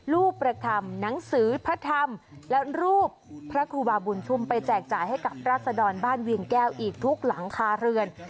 รูปประคำหนังสือพระธรรมและรูปพระครูบาบุญชุมไปแจกจ่ายให้กับราชดรบ้านเวียงแก้วอีกทุกหลังคาเรือน